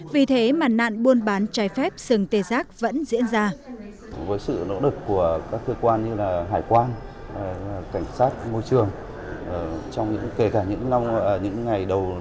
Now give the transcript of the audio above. vì thế mà nạn buôn bán trái phép sừng tê giác vẫn diễn ra